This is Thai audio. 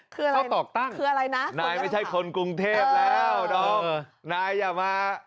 ข้าวตอกตั้งนายไม่ใช่คนกรุงเทพฯแล้วนายอย่ามา